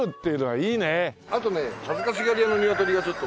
あとね恥ずかしがり屋のニワトリが。